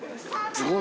すごい。